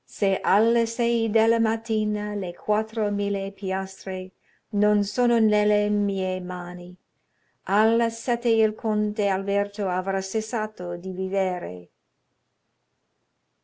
"_'Se alle sei della mattina le quattro mille piastre non sono nelle mie mani, alla sette il conte Alberto avrà cessato di vivere.